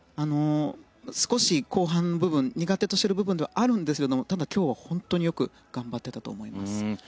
少し後半部分、苦手としている部分ではあるんですがただ、今日は本当によく頑張っていたと思います。